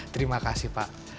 terima kasih pak